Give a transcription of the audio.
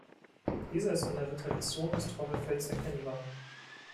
Dieser ist an der Retraktion des Trommelfells erkennbar.